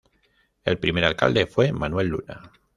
El primer alcalde fue Manuel Luna.